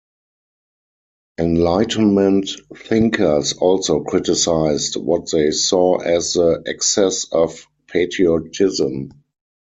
Enlightenment thinkers also criticized what they saw as the excess of patriotism.